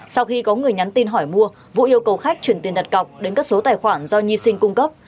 sau khi có người nhắn tin hỏi mua vũ yêu cầu khách chuyển tiền đặt cọc đến các số tài khoản do nhi sinh cung cấp